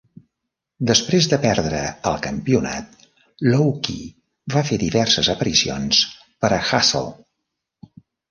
Després de perdre el campionat, Low Ki va fer diverses aparicions per a Hustle.